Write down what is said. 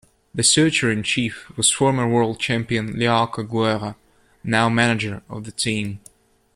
The searcher-in-chief was former world champion Learco Guerra, now manager of the team.